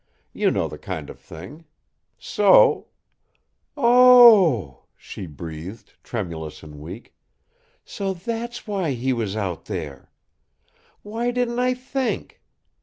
You know the kind of thing. So " "Oh h h!" she breathed, tremulous and weak. "So that's why he was out there! Why didn't I think?